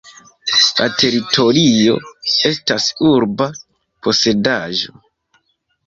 La teritorio estas urba posedaĵo.